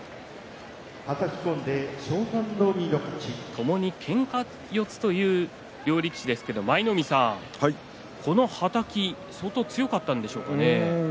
ともにけんか四つという両力士ですけれどもこのはたき相当強かったんでしょうかね。